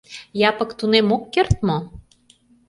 Япык тунем ок керт мо?